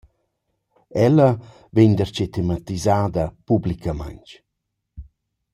Ella vain darcheu tematisada publicamaing.